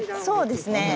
そうですね。